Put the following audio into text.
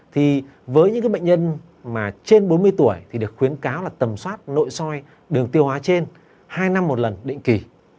thì với những bệnh nhân mà trên bốn mươi tuổi thì được khuyến cáo là tầm soát nội soi đường tiêu hóa trên hai năm một lần định kỳ